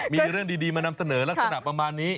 มีเรื่องดีมานำเสนอลักษณะประมาณนี้